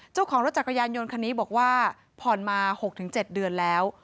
เจ้าของรถจักรยานยนต์คันนี้บอกว่าผ่อนมา๖๗เดือนแล้ว